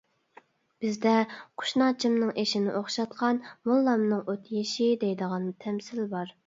بىزدە: «قۇشناچىمنىڭ ئېشىنى ئوخشاتقان موللامنىڭ ئوت يېشى. » دەيدىغان تەمسىل بار.